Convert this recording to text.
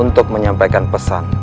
untuk menyampaikan pesan